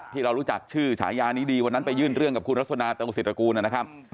ที่เรารู้จักชื่อฉายานี้ดีวันนั้นไปยื่นเรื่องกับคุณรสนาตงศิษรกูลนะครับ